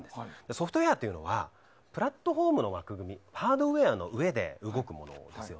ソフトウェアというのはプラットホームの枠組みハードウェアの上で動くものなんです。